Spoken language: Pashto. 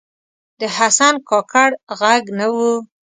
د حسن کاکړ ږغ نه و